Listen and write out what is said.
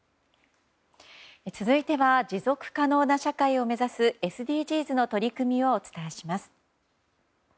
続いては持続可能な社会を目指すＳＤＧｓの取り組みをお伝えします。